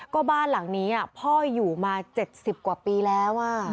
ก็บ้านหลังนี้พ่ออยู่มา๗๐กว่าปีแล้ว